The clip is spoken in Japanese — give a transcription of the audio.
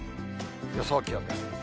予想気温です。